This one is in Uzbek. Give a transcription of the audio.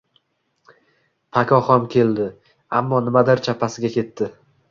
Pako ham keldi, ammo nimadir chappasiga ketdi.